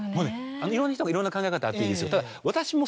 いろんな人がいろんな考え方あっていいんですよただ。